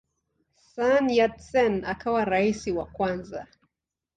Sun Yat-sen akawa rais wa kwanza.